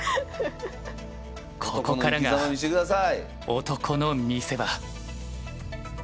ここからが男の見せ場。